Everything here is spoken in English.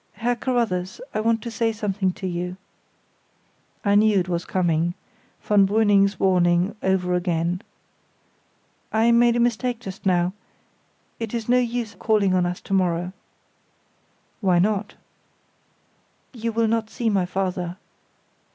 Herr Carruthers, I want to say something to you." (I knew it was coming; von Brüning's warning over again.) "I made a mistake just now; it is no use your calling on us to morrow." "Why not?" "You will not see my father."